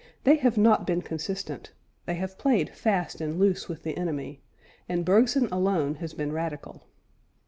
They have not been consistent, they have played fast and loose with the enemy, and Bergson alone has been radical."